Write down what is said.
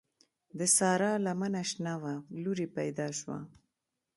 د سارا لمنه شنه شوه؛ لور يې پیدا شوه.